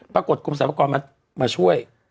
ปรากฏกรมสรรพากรมาช่วย